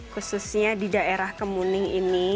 khususnya di daerah kemuning ini